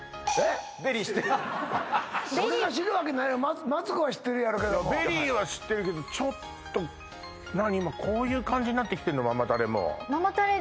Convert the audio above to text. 知って俺が知るわけないやろマツコは知ってるやろけど「ＶＥＲＹ」は知ってるけどちょっと何今こういう感じになってきてんの？